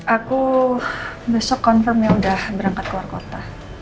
aku besok konfirmnya udah berangkat ke warga kota